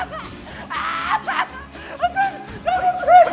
ช่วยช่วยด้วย